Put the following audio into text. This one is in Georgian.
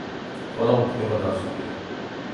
ყველა უფლება დაცულია.